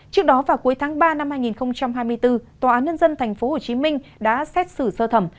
trước đó vào cuối tháng ba năm hai nghìn hai mươi bốn tòa án nhân dân tp hcm đã xét xử sơ thẩm